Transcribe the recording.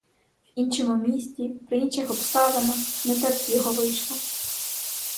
В іншому місті, при інших обставинах не те б з його вийшло!